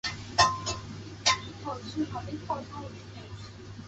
多媒体框架是一种在电脑上处理媒体并经网络传播的软件框架。